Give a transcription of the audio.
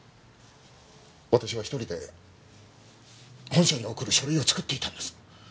私は１人で本社に送る書類を作っていたんです。